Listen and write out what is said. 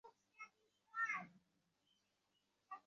বক্তা অন্ধের হস্তী দর্শনের সহিত ধর্মমতের তুলনা করেন।